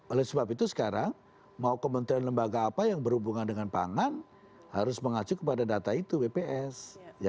oleh sebab itu sekarang mau kementerian lembaga apa yang berhubungan dengan pangan harus mengacu kepada data itu bps